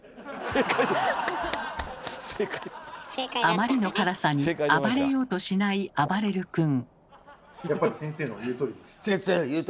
あまりの辛さに暴れようとしないあばれる君。